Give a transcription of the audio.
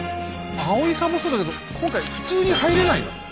青井さんもそうだけど今回普通に入れないの？